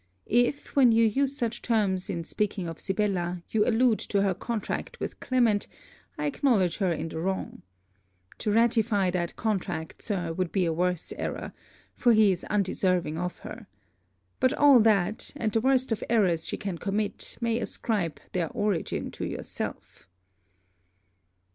If, when you use such terms, in speaking of Sibella, you allude to her contract with Clement, I acknowledge her in the wrong. To ratify that contract, Sir, would be a worse error: for he is undeserving of her. But all that, and the worst of errors she can commit, may ascribe their origin to yourself.'